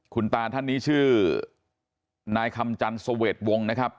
คุณตาท่านนี้ชื่อนายคำจันเสวดวงนะครับ